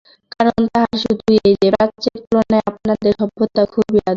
তাহার কারণ শুধু এই যে, প্রাচ্যের তুলনায় আপনাদের সভ্যতা খুবই আধুনিক।